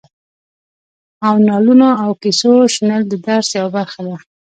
د نالونو او کیسو شنل د درس یوه برخه ده.